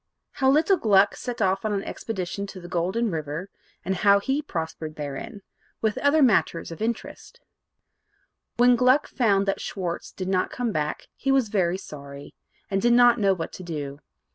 HOW LITTLE GLUCK SET OFF ON AN EXPEDITION TO THE GOLDEN RIVER, AND HOW HE PROSPERED THEREIN; WITH OTHER MATTERS OF INTEREST When Gluck found that Schwartz did not come back he was very sorry, and did not know what to do.